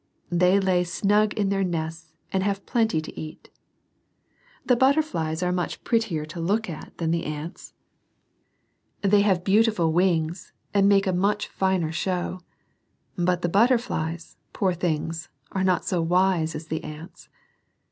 They lay snug in their nests, and have plenty to eat. The butterflies are much prettier to look at 46 SERMONS FOR CHILDREN. than the ants. They have beautiful wings, and make a much finer show. But the butterflies, poor things, are not so wise as the ants.